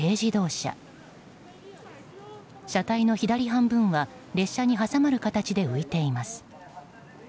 車体の左半分は列車に挟まる形で浮いています。